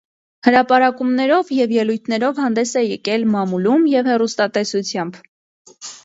Հրապարակումներով և ելույթներով հանդես է եկել մամուլում և հեռուստատեսությամբ։